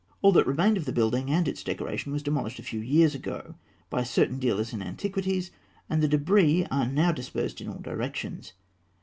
All that remained of the building and its decoration was demolished a few years ago by certain dealers in antiquities, and the débris are now dispersed in all directions.